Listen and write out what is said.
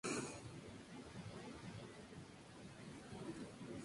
Presentó talentos de las ciudades en las grandes etapas de Francia.